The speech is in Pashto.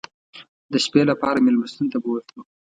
د شپې لپاره مېلمستون ته بوتلو.